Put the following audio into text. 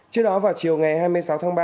trước đó vào chiều ngày hai mươi sáu tháng ba